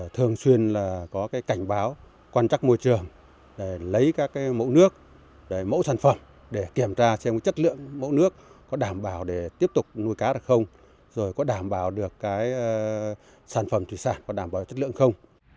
thường xuyên là có cảnh báo quan trắc môi trường lấy các mẫu nước để mẫu sản phẩm để kiểm tra xem chất lượng mẫu nước có đảm bảo để tiếp tục nuôi cá được không rồi có đảm bảo được sản phẩm thủy sản có đảm bảo chất lượng không